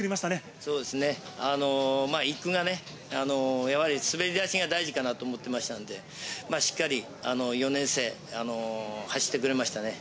そうですね、１区がね、やはりすべり出しが大事かなと思っていましたので、しっかり４年生、走ってくれましたね。